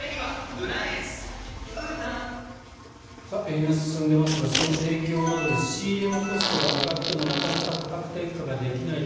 円安進んでいますがその影響もあり仕入れのコストが上がってもなかなか価格転嫁ができない。